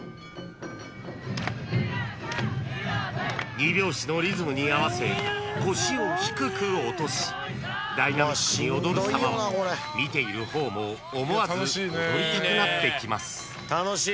［２拍子のリズムに合わせ腰を低く落としダイナミックに踊るさまは見ている方も思わず踊りたくなってきます］